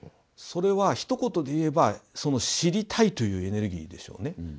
それはひと言で言えば「知りたい」というエネルギーでしょうね。